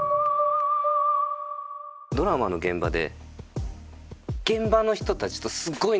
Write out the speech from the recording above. ドラマの現場で。